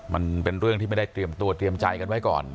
มันเป็นเรื่องที่ไม่ได้เตรียมตัวเตรียมใจกันไว้ก่อน